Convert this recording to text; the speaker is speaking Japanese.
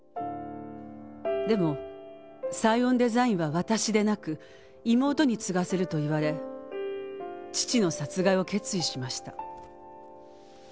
「でもサイオンデザインは私でなく妹に継がせると言われ父の殺害を決意しました」